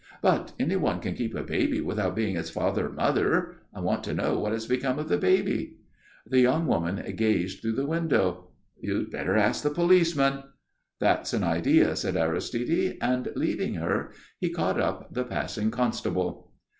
"But anybody can keep a baby without being its father or mother. I want to know what has become of the baby." The young woman gazed through the window. "You had better ask the policeman." "That's an idea," said Aristide, and, leaving her, he caught up the passing constable.